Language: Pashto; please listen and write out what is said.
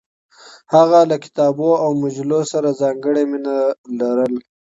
هغه له کتابونو او مجلو سره ځانګړې مینه لرله.